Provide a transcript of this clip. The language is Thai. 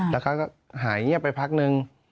แล้วเขาก็หายเงียบไปพักนึง